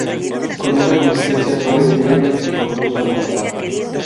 Con una consistencia suave de crema y con gusto a Mazapán.